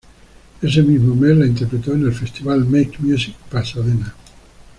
Ese mismo mes, la interpretó en el festival Make Music Pasadena.